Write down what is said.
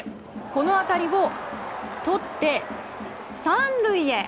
この当たりをとって３塁へ。